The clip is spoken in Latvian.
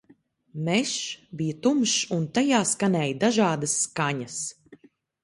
Mežs bija tumšs un tajā skanēja dažādas skaņas